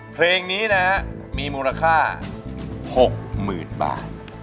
เพลงนี้นะฮะมีมูลค่า๖๐๐๐๐บาท